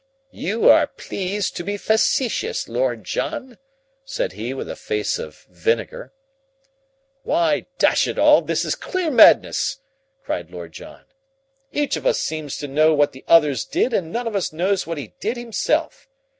"You are pleased to be facetious, Lord John," said he with a face of vinegar. "Why, dash it all, this is clear madness," cried Lord John. "Each of us seems to know what the others did and none of us knows what he did himself.